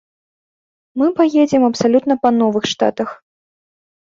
Мы паедзем абсалютна па новых штатах.